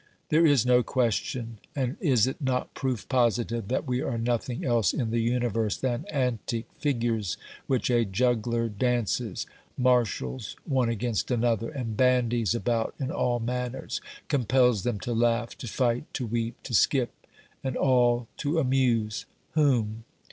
There is no question, and is it not proof positive that we are nothing else in the universe than antic figures which a juggler dances, 158 OBERMANN marshals one against another, and bandies about in all manners ; compels them to laugh, to fight, to weep, to skip, and all to amuse — whom